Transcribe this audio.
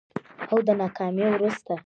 او د ناکامي وروسته